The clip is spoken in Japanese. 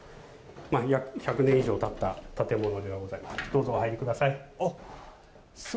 約１００年以上経った建物でございます。